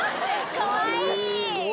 かわいい！